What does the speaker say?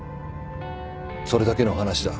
それだけの話だ。